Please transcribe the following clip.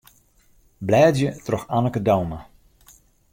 Blêdzje troch Anneke Douma.